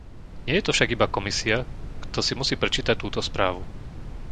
Nie je to však iba Komisia, kto si musí prečítať túto správu.